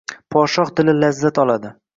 Podshoh dili lazzat oladi.